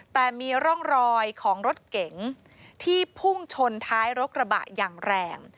แต่มีร่องรอยของรถเก๋งที่พุ่งชนท้ายรถกระบะอย่างแรง